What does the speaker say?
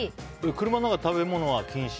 車の中で食べ物は禁止？